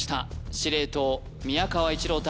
司令塔・宮川一朗太